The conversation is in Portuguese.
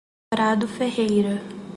Prado Ferreira